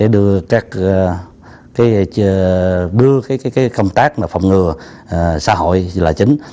để đưa cái công tác phòng ngừa xã hội là chính